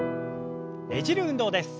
ねじる運動です。